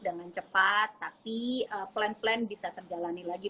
dengan cepat tapi plan plan bisa terjalani lagi